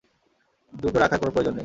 দুটো রাখার কোনো প্রয়োজন নেই।